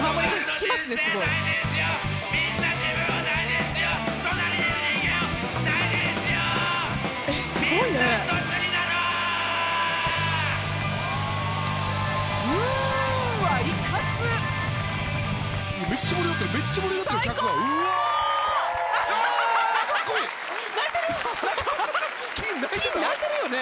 きん泣いてるよね？